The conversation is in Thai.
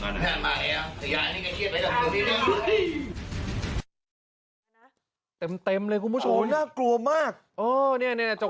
รถเขาไม่หักเป็นเมลเบอร์มันจะโฟ่ง